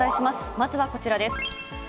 まずはこちらです。